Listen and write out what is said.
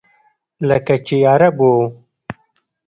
لکه چې عرب و.